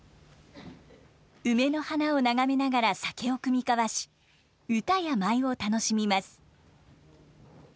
梅の花を眺めながら酒を酌み交わし歌や舞を楽しみます。